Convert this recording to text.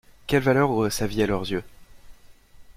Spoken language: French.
Quelle valeur aurait sa vie à leurs yeux?